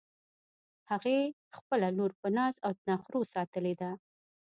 هغې خپله لور په ناز او نخروساتلی ده